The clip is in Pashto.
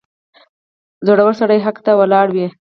• زړور سړی حق ته ولاړ وي.